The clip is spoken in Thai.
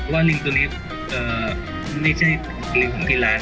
ว่าลิงตัวนี้ไม่ใช่ลิงของที่รัก